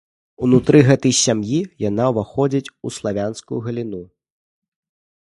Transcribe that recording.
Унутры гэтай сям'і яна ўваходзіць у славянскую галіну.